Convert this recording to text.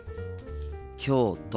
京都。